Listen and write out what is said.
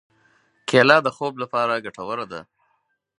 کېله د خوب لپاره ګټوره ده.